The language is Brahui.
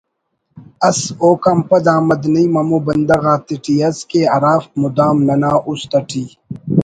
ئس اوکان پد احمد نعیم ہمو بندغ آتیٹی ئس کہ ہرافک مدام ننا است اٹی